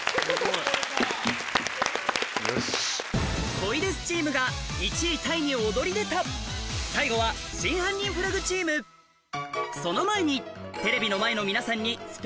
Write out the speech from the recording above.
『恋です！』チームが１位タイに躍り出た最後は『真犯人フラグ』チームその前にテレビの前の皆さんに分かりますか？